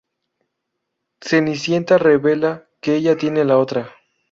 Cenicienta revela que ella tiene la otra.